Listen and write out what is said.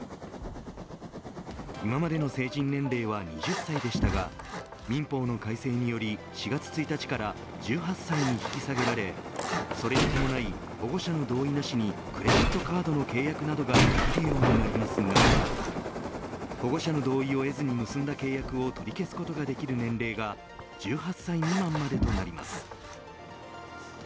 今までの成人年齢は２０歳でしたが民法の改正により４月１日から１８歳に引き下げられそれに伴い、保護者の同意なしにクレジットカードの契約などができるようになりますが保護者の同意を得ずに結んだ契約を取り消すことができる年齢が１８歳未満までとなります。